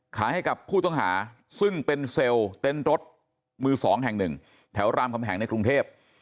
ขายให้กับผู้ต้องหาซึ่งเป็นเซลล์เต็นต์รถมือสองแห่งหนึ่งแถวรามคำแหงในกรุงเทพ